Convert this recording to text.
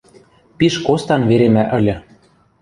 Пиш костан веремӓ ыльы.